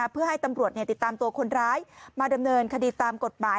เพื่อให้ตำรวจติดตามตัวคนร้ายมาดำเนินคดีตามกฎหมาย